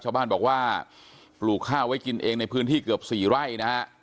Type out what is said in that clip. ชาวบ้านบอกว่าปลูกข้าวไว้กินเองในพื้นที่เกือบ๔ไร่นะฮะ